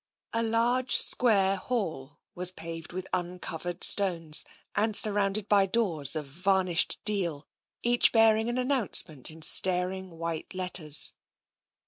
The large square hall was paved with uncovered stones, and surrounded by doors of varnished deal, each bearing an announcement in staring white letters.